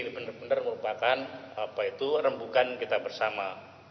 ini benar benar merupakan apa itu rembukan kita bersama